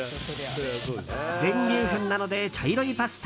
全粒粉なので茶色いパスタ。